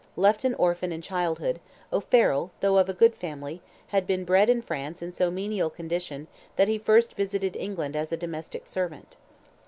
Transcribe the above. Left an orphan in childhood, O'Farrell, though of a good family, had been bred in France in so menial a condition that he first visited England as a domestic servant.